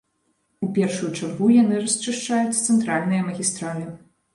У першую чаргу яны расчышчаюць цэнтральныя магістралі.